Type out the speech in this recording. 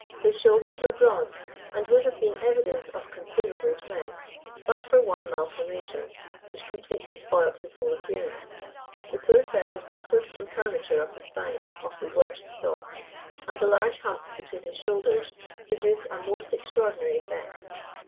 His shoulders were broad, and would have been evidence of considerable strength but for one malformation, which completely spoilt his whole appearance. The poor fellow suffered from curvature of the spine of the worst sort, and the large hump between his shoulders produced a most extraordinary effect.